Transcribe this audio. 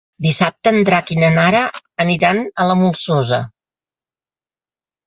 Dissabte en Drac i na Nara aniran a la Molsosa.